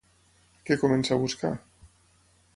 Què comença a buscar?